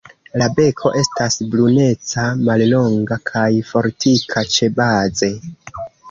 La beko estas bruneca, mallonga kaj fortika ĉebaze.